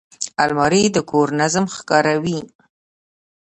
الماري د کور نظم ښکاروي